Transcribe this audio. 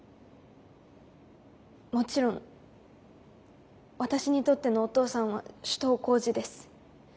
もちろん私にとってのお父さんは首藤幸次です。